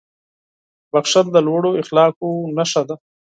• بښل د لوړو اخلاقو نښه ده.